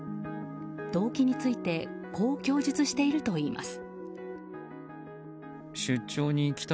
動機についてこう供述しているといいます。